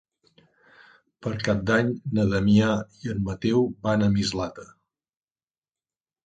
Per Cap d'Any na Damià i en Mateu van a Mislata.